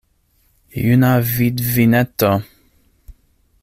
Juna vidvineto!